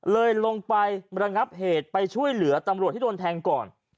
ลงไประงับเหตุไปช่วยเหลือตำรวจที่โดนแทงก่อน